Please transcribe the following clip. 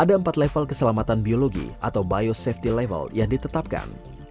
ada empat level keselamatan biologi atau biosafety level yang ditetapkan